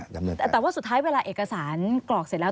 แต่ว่าสุดท้ายเวลาเอกสารกรอกเสร็จแล้ว